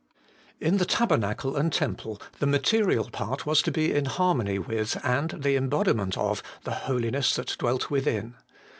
7. In the tabernacle and temple, the material part was to be in harmony with, and the embodiment of, the holiness that dwelt within.